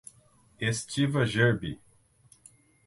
Estiva Gerbi